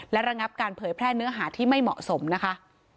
และระงับการเผยแพร่เนื้อหาที่ไม่เหมาะสมนะคะ